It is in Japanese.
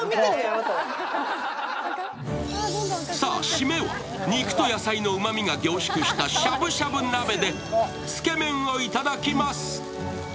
締めは肉と野菜のうまみが凝縮したしゃぶしゃぶ鍋でつけ麺を頂きます。